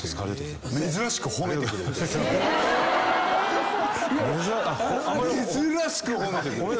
珍しく褒めてくれた。